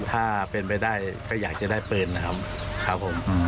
ถ้าเป็นไปได้ก็อยากจะได้เปลืองนะครับ